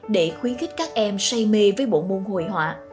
để khuyến khích các em say mê với bộ môn hội họa